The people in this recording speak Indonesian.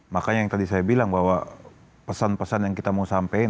makanya yang tadi saya bilang bahwa pesan pesan yang kita mau sampaikan